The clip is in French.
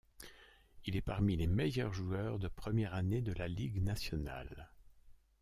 Il est parmi les meilleurs joueurs de première année de la Ligue nationale.